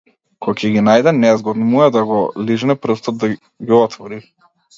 Ко ќе ги најде, незгодно му е да го лижне прстот да ги отвори.